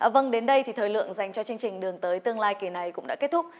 vâng đến đây thì thời lượng dành cho chương trình đường tới tương lai kỳ này cũng đã kết thúc